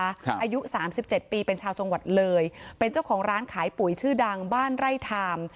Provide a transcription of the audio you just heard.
อายุสามสิบเจ็ดปีเป็นชาวจังหวัดเลยเป็นเจ้าของร้านขายปุ๋ยชื่อดังบ้านไร่ทาม